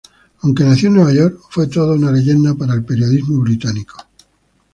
Aunque nació en Nueva York, fue toda una leyenda para el periodismo británico.